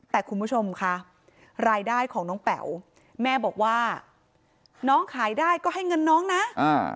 แต่คุณผู้ชมค่ะรายได้ของน้องแป๋วแม่บอกว่าน้องขายได้ก็ให้เงินน้องนะอ่า